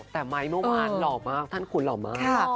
แต่ไมค์เมื่อวานหล่อมากท่านขุนหล่อมาก